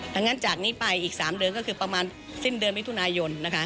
ดังนั้นจากนี้ไปอีก๓เดือนก็คือประมาณสิ้นเดือนมิถุนายน